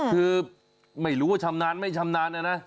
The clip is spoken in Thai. คือไม่รู้ว่าชำนาญไม่ชำนาญนะนะ